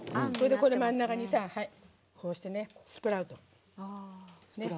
これで真ん中にこうしてスプラウト。